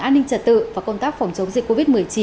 an ninh trật tự và công tác phòng chống dịch covid một mươi chín